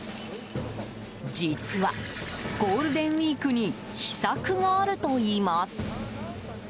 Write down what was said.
実は、ゴールデンウィークに秘策があるといいます。